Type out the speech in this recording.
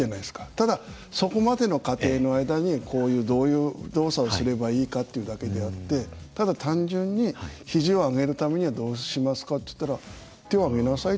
ただそこまでの過程の間にこういうどういう動作をすればいいかっていうだけであってただ単純にひじを上げるためにはどうしますかっていったら手を挙げなさい。